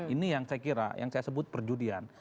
ini yang saya kira yang saya sebut perjudian